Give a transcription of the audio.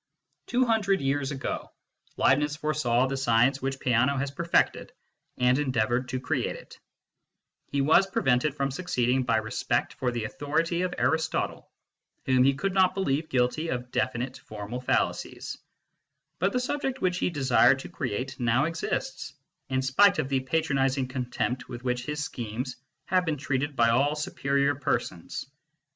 Two hundred years ago, Leibniz foresaw the science which Peano has perfected, and endeavoured to create it He was prevented from succeeding by respect for the authority of Aristotle, whom he could not believe guilty of definite, formal fallacies ; but the subject which he desired to create now exists, in spite of the patronising contempt with which his schemes have been treated by all superior persons.